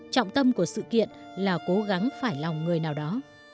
trọng tâm của sự kiện là cố gắng phải lòng người nào đó